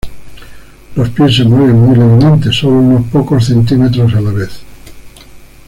Los pies se mueven muy levemente, solo unos pocos centímetros a la vez.